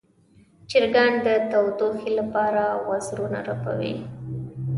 چرګان د تودوخې لپاره وزرونه رپوي.